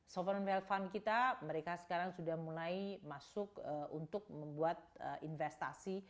soverement wealth fund kita mereka sekarang sudah mulai masuk untuk membuat investasi